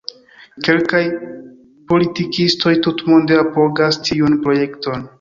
Kelkaj politikistoj tutmonde apogas tiun projekton.